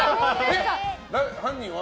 犯人は？